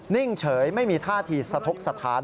นิ่งเฉยไม่มีท่าทีสะทกสถาน